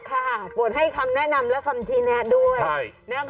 ปวดให้คำแนะนำและคำชี้แนะด้วย